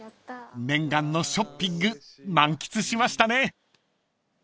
［念願のショッピング満喫しましたね］